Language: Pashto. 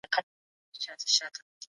پښتو يوازې کلمات نه دي.